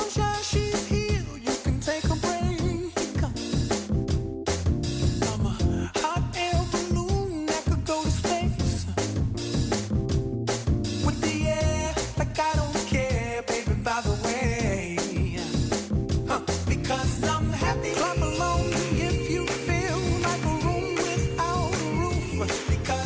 ใช่แล้วค่ะ